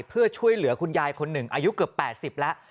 เพื่อช่วยเหลือคุณยายคนหนึ่งอายุเกือบ๘๐แล้ว